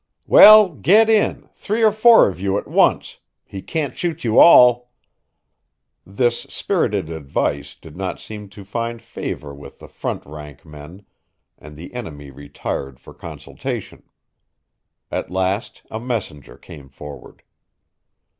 "Well, get in, three or four of you at once. He can't shoot you all." This spirited advice did not seem to find favor with the front rank men, and the enemy retired for consultation. At last a messenger came forward.